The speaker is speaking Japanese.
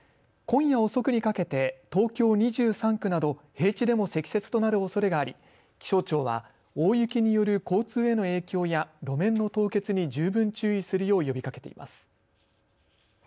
今夜遅くにかけて東京２３区など平地でも積雪となるおそれがあり気象庁は大雪による交通への影響や路面の凍結に十分注意するよう呼びかけています。